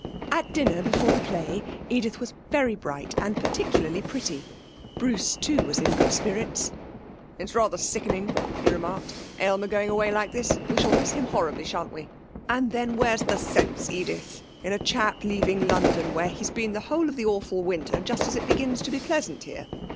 At dinner before the play Edith was very bright, and particularly pretty. Bruce, too, was in good spirits. 'It's rather sickening,' he remarked, 'Aylmer going away like this; we shall miss him horribly, sha'n't we? And then, where's the sense, Edith, in a chap leaving London where he's been the whole of the awful winter, just as it begins to be pleasant here?